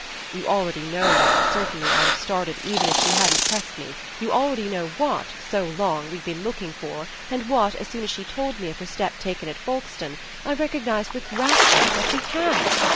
You already know now certainly I'd have started even if she hadn't pressed me; you already know what, so long, we've been looking for and what, as soon as she told me of her step taken at Folkestone, I recognised with rapture that we HAVE.